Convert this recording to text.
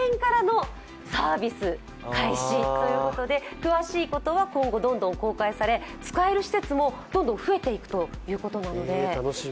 詳しいことは今後どんどん公開され使える施設もどんどん増えていくということなので。